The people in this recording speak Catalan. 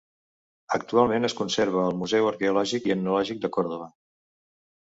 Actualment es conserva al Museu Arqueològic i Etnològic de Còrdova.